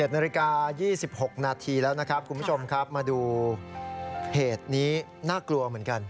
๑นาฬิกา๒๖นาทีแล้วนะครับคุณผู้ชมครับมาดูเหตุนี้น่ากลัวเหมือนกัน